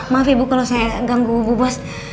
maaf ibu kalau saya ganggu bu bos